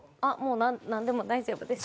何でも大丈夫です。